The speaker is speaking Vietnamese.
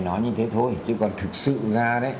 nói như thế thôi chứ còn thực sự ra